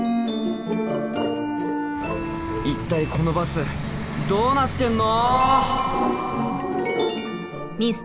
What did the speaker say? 一体このバスどうなってんの！